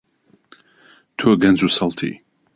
تۆ گەنج و سەڵتی.